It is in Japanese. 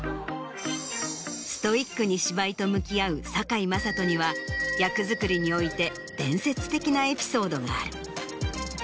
ストイックに芝居と向き合う堺雅人には役作りにおいて伝説的なエピソードがある。